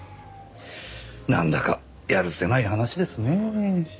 なんだかやるせない話ですねえ。